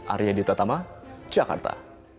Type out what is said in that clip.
arya dita tama jakarta